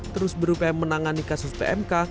terus berupaya menangani kasus pmk